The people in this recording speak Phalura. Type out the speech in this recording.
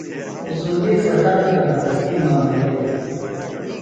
اُڅنڈی سے خلکہ بہ تسی مامئیہ دےۡ